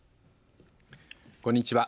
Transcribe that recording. こんにちは。